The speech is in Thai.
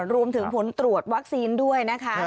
รวมถึงผลตรวจวัคซีนด้วยนะคะ